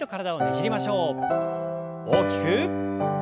大きく。